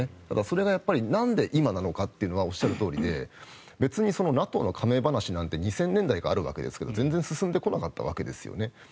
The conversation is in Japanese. ただそれがやっぱりなんで今なのかというのはおっしゃるとおりでＮＡＴＯの加盟話なんて２０００年代からあるわけですけど全然進んでこなかったわけですね。